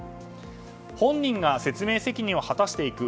本人が説明責任を果たしていく。